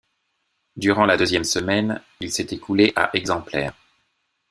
Durant la deuxième semaine, il s'est écoulé à exemplaires.